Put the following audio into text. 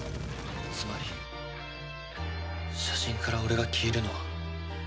つまり写真から俺が消えるのは。